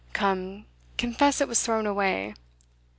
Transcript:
Come, confess it was thrown away."